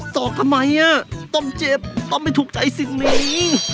สอกทำไมอ่ะตอมเจ็บตอมไม่ถูกใจสิ่งนี้